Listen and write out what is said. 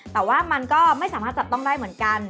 แต่ว่ามันก็ไม่สามารถจับต้องได้เหมือนกัน